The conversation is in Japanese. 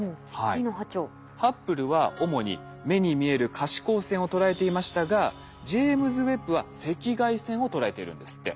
ハッブルは主に目に見える可視光線を捉えていましたがジェイムズ・ウェッブは赤外線を捉えているんですって。